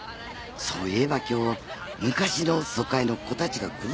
そういえば今日昔の疎開の子たちが来ると言ってたなぁ。